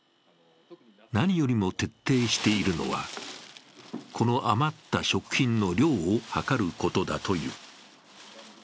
何よりも徹底しているのは、この余った食品の量を測ることだという。